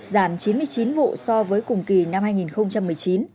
giảm chín mươi chín vụ so với cùng kỳ năm hai nghìn một mươi chín